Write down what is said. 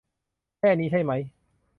แค่นี้ใช่มั้ย ?